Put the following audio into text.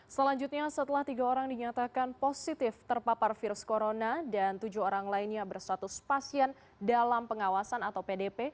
selanjutnya setelah tiga orang dinyatakan positif terpapar virus corona dan tujuh orang lainnya bersatus pasien dalam pengawasan atau pdp